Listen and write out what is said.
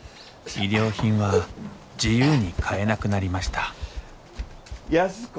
衣料品は自由に買えなくなりました安子。